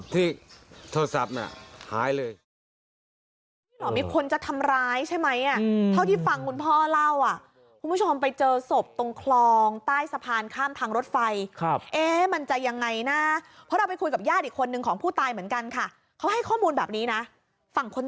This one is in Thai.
ทีนี้เขาก็โทรคุยกันนิดเดียว